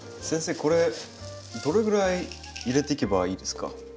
先生これどれぐらい入れていけばいいですか？